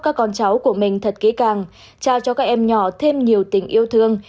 các con cháu của mình thật kỹ càng trao cho các em nhỏ thêm nhiều tình yêu thương